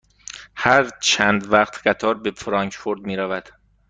هر چند وقت قطار به فرانکفورت می رود؟